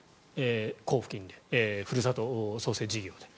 交付金で、ふるさと創生事業で。